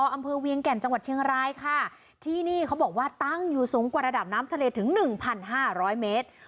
อำเภอเวียงแก่นจังหวัดเชียงรายค่ะที่นี่เขาบอกว่าตั้งอยู่สูงกว่าระดับน้ำทะเลถึงหนึ่งพันห้าร้อยเมตร